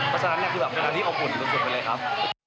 เพราะฉะนั้นเป็นอย่างที่ขอบคุณสุดไปเลยครับ